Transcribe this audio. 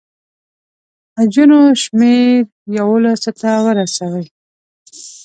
حجونو شمېر یوولسو ته ورسوي.